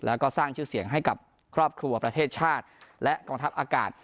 แล้วก็สร้างชื่อเสียงให้กับครอบครัวประเทศชาติและกองทัพอากาศ